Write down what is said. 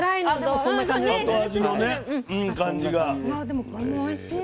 でもこれもおいしい。